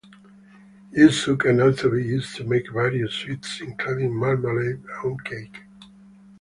Yuzu can also be used to make various sweets including marmalade and cake.